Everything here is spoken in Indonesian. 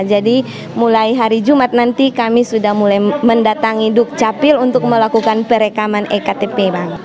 jadi mulai hari jumat nanti kami sudah mulai mendatangi duk capil untuk melakukan perekaman ektp bang